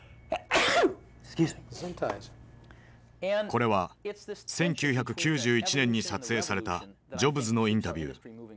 これは１９９１年に撮影されたジョブズのインタビュー。